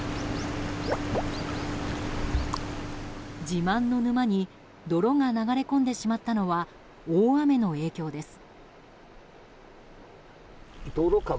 自慢の沼に泥が流れ込んでしまったのは大雨の影響です。